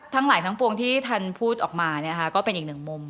ทั้งหลายทั้งปวงที่ท่านพูดออกมาก็เป็นอีกหนึ่งมุม